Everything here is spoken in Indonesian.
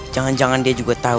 jangan jangan dia juga tahu